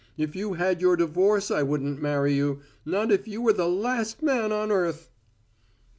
If you had your divorce I wouldn't marry you not if you were the last man on earth!"